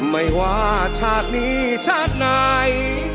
ไม่ว่าชาตินี้ชาติไหน